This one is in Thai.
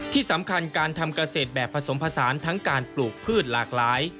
ที่สำคัญการทำเกษตรแบบผสมผสานทั้งการปลูกพืชหลากหลาย